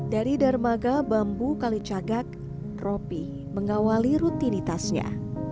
dari darmaga bambu kali cagak ropi mengawali rutinitasnya